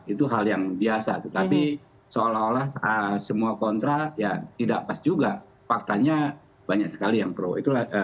itu hal yang biasa tetapi seolah olah semua kontra ya tidak pas juga faktanya banyak sekali yang pro